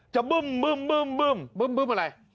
บึ้มอะไร